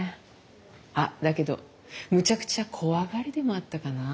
あっだけどむちゃくちゃ怖がりでもあったかな。